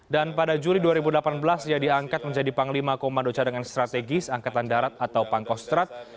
dan pada juli dua ribu delapan belas dia diangkat menjadi panglima komando cadangan strategis angkatan darat atau pangkostrat